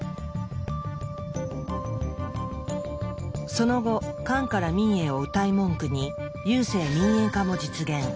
その後「官から民へ」をうたい文句に郵政民営化も実現。